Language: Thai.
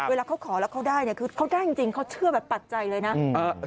เวลาเขาขอแล้วเขาได้เนี่ยคือเขาได้จริงเขาเชื่อแบบปัจจัยเลยนะ